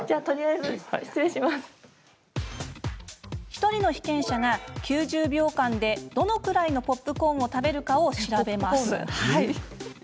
ひとりの被験者が、９０秒間でどれくらいのポップコーンを食べるかを調べます。